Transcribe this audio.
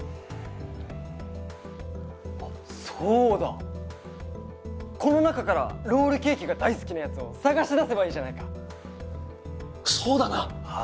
そうだこの中からロールケーキが大好きなやつを探しだせばいいじゃないかそうだなああ